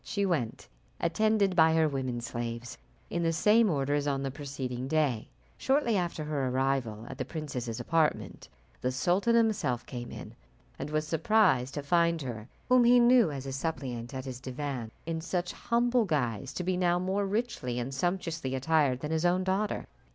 She went, attended by her women slaves, in the same order as on the preceding day. Shortly after her arrival at the princess's apartment, the sultan himself came in, and was surprised to find her, whom he knew as his suppliant at his divan in such humble guise, to be now more richly and sumptuously attired than his own daughter.